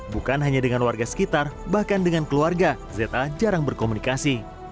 bukan hanya dengan warga sekitar bahkan dengan keluarga za jarang berkomunikasi